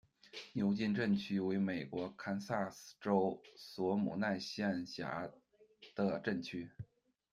牛津镇区为美国堪萨斯州索姆奈县辖下的镇区。